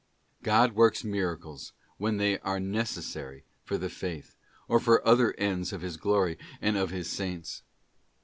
* God works miracles when they are neces sary for the Faith, or for other ends of His glory, and of His Saints.